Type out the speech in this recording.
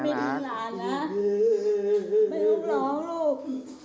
ไม่ต้องร้องลูก